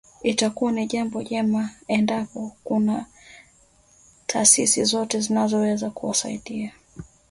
Itakuwa ni jambo jema endapo kuna taasisi zozote zinazoweza kuwasaidia